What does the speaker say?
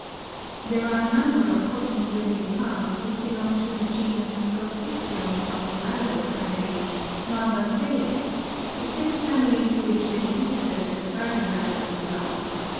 There are a number of cotton yielding plants which belong to the genus Gossypium of the Mallow family (Malvaceæ), the same family to which the Hibiscus and garden mallows belong.